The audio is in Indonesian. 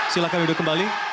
silakan widodo kembali